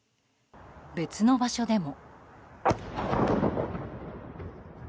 別の場所でも。